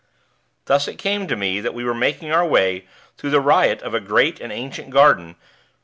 Thus it came to me that we were making our way through the riot of a great and ancient garden.